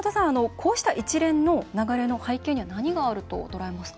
こうした一連の流れの背景には何があると捉えますか？